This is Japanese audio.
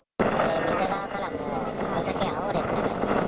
店側からもお酒あおれって言われて。